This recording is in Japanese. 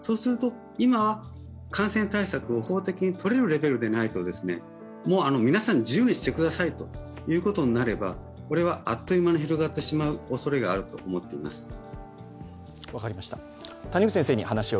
今は感染対策を法的にとれるレベルでないと、皆さんに自由にしてくださいということになればこれはあっという間に広がってしまうおそれがあると思っています。